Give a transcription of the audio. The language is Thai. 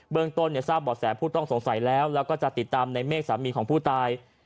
ต้นทราบบ่อแสผู้ต้องสงสัยแล้วแล้วก็จะติดตามในเมฆสามีของผู้ตาย